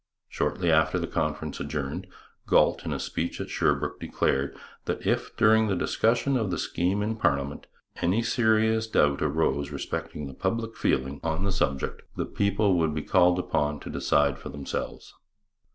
Shortly after the conference adjourned, Galt in a speech at Sherbrooke declared that, if during the discussion of the scheme in parliament any serious doubt arose respecting the public feeling on the subject, the people would be called upon to decide for themselves.